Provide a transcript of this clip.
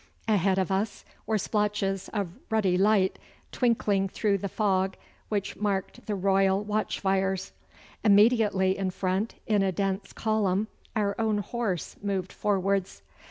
Ahead of us were splotches of ruddy light twinkling through the fog which marked the Royal watch fires. Immediately in front in a dense column our own horse moved forwards.